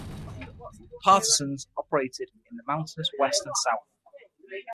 Partisans operated in the mountainous west and south.